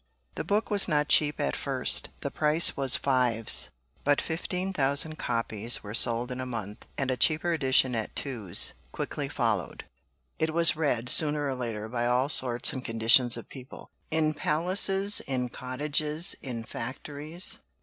The book was not cheap at first; the price was 5s. But 15,000 copies were sold in a month, and a cheaper edition at 2s. quickly followed. It was read, sooner or later, by all sorts and conditions of people; in palaces, in cottages, in factories.